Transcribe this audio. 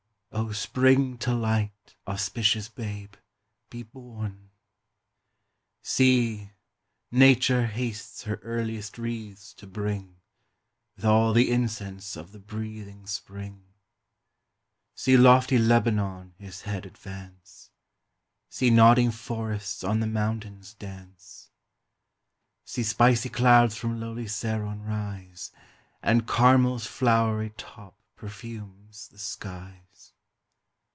Oh spring to light, auspicious Babe, be born! See, Nature hastes her earliest wreaths to bring, With all the incense of the breathing spring: See lofty Lebanon his head advance, See nodding forests on the mountains dance: See spicy clouds from lowly Saron rise, And Carmel's flowery top perfumes the skies!